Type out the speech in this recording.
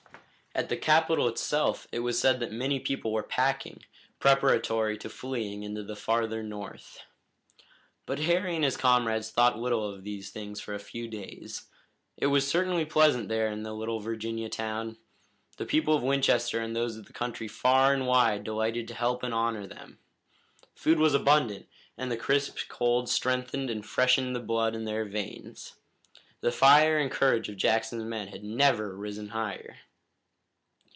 At the capital itself it was said that many people were packing, preparatory to fleeing into the farther North. But Harry and his comrades thought little of these things for a few days. It was certainly pleasant there in the little Virginia town. The people of Winchester and those of the country far and wide delighted to help and honor them. Food was abundant and the crisp cold strengthened and freshened the blood in their veins. The fire and courage of Jackson's men had never risen higher.